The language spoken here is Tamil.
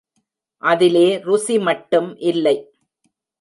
அதிலே ருசி மட்டும் இல்லை.